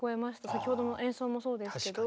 先ほどの演奏もそうでしたけど。